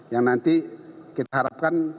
yang nanti kita harapkan akan semakin jelas